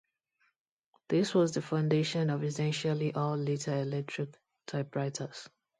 This was the foundation of essentially all later electric typewriters.